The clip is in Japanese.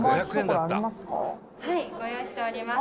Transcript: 「はいご用意しております」